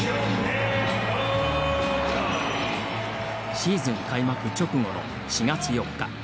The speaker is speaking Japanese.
シーズン開幕直後の４月４日。